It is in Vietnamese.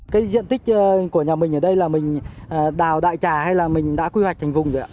cái diện tích của nhà mình ở đây là mình đào đại trà hay là mình đã quy hoạch thành vùng rồi ạ